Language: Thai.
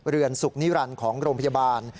เรือนสุขนิรันดิ์ของโรงพยาบาล